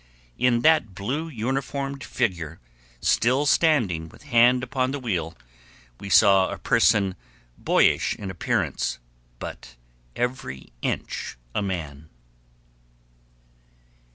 In that blue uniformed figure, still standing with hand upon the wheel, we saw a person boyish in appearance, but every inch a man.